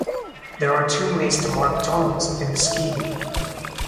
There are two ways to mark tones in the scheme.